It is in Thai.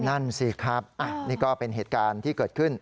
นั่นสิครับนี่ก็เป็นเหตุการณ์ที่เกิดขึ้น